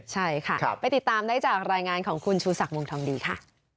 ใช่ค่ะไปติดตามได้จากรายงานของคุณชูศักดิ์วงทองดีค่ะ